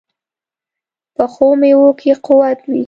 پخو میوو کې قوت وي